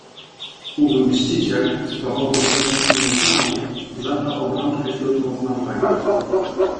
"Ów mściciel, z powodów dotąd mi nieznanych, zabrał obrączkę ślubną zmarłego."